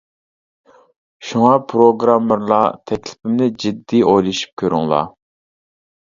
شۇڭا پىروگراممېرلار تەكلىپىمنى جىددىي ئويلىشىپ كۆرۈڭلار.